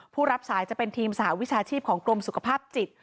รับสายจะเป็นทีมสหวิชาชีพของกรมสุขภาพจิต